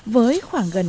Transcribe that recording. với khoảng gần hai con thỏ